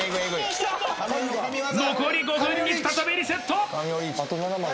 残り５分に再びリセット！